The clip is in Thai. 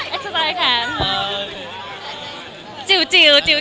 เอ็กซไตล์แทม